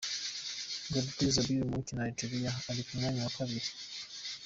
Gebrezgabihier ukinira Eritrea ari ku mwanya wa kabiri.